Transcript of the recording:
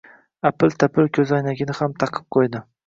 Apil-tapil koʻzoynagini ham taqib qoʻydi.